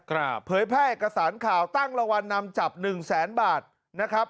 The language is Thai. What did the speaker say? เผยแพร่เอกสารข่าวตั้งรางวัลนำจับหนึ่งแสนบาทนะครับ